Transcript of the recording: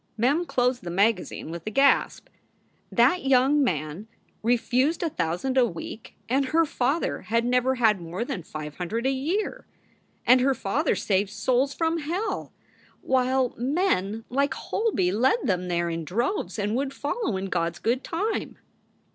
Mem closed the magazine with a gasp. That young man refused a thousand a week! and her father had never had more than five hundred a year. And her father saved souls from hell, while men like Holby led them there in droves and would follow in God s good time.